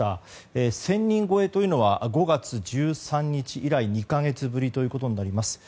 １０００人超えというのは５月１３日以来２か月ぶりということになります。